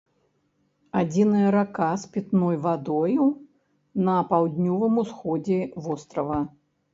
Адзіная рака з пітной вадою на паўднёвым усходзе вострава.